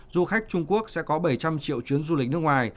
du khách trung quốc sẽ có bảy trăm linh triệu chuyến du lịch nước ngoài